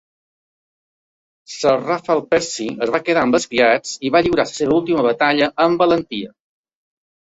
Sir Ralph Percy es va quedar amb els criats i va lliurar la seva última batalla amb valentia.